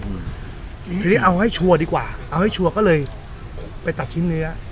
ทีนี้เอาให้ชัวร์ดีกว่าเอาให้ชัวร์ก็เลยไปตัดชิ้นเนื้อ